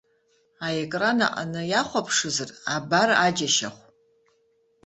Аекран аҟны иахәаԥшызар, абар аџьашьахә.